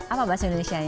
apa bahasa indonesia nya